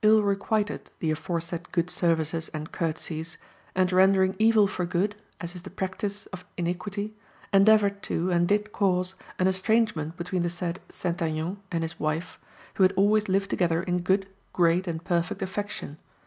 "But Dumesnil ill requited the aforesaid good services and courtesies, and rendering evil for good, as is the practice of iniquity, endeavoured to and did cause an estrangement between the said St. Aignan and his wife, who had always lived together in good, great, and perfect affection.